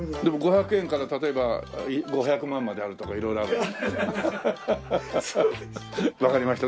でも５００円から例えば５００万まであるとか色々ある？